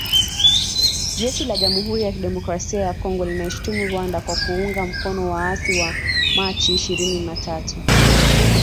Jeshi la jamhuri ya kidemokrasia ya Kongo linaishutumu Rwanda kwa kuunga mkono waasi wa Machi ishirini na tatu